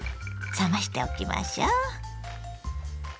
冷ましておきましょう。